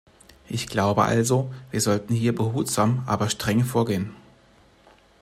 Ich glaube also, wir sollten hier behutsam, aber streng vorgehen.